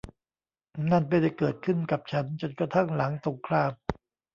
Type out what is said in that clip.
นั่นไม่ได้เกิดขึ้นกับฉันจนกระทั่งหลังสงคราม